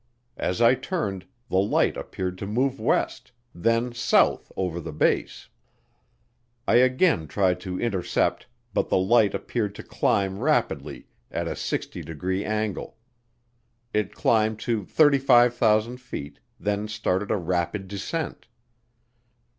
As I turned, the light appeared to move west, then south over the base. I again tried to intercept but the light appeared to climb rapidly at a 60 degree angle. It climbed to 35,000 feet, then started a rapid descent.